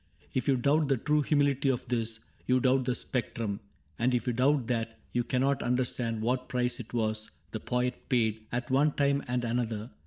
If you doubt the true humility of this, You doubt the spectrum ; and if you doubt that. You cannot understand what price it was The poet paid, at one time and another.